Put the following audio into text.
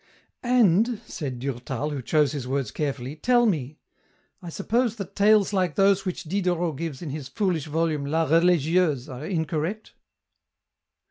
" And," said Durtal, who chose his words carefully, " tell me, I suppose that tales like those which Diderot gives in his foolish volume ' La Religieuse ' are incorrect